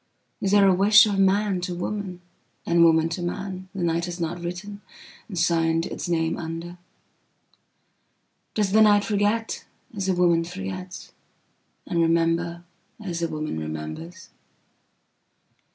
Is there a wishof man to womanand woman to manthe night has not writtenand signed its name under? Does the night forgetas a woman forgets?and rememberas a woman remembers?